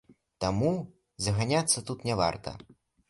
Таму заганяцца тут не варта.